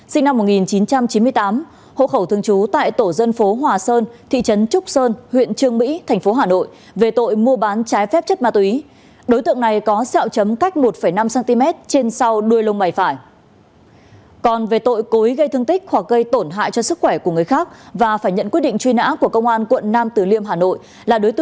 xin kính chào tạm biệt và hẹn gặp lại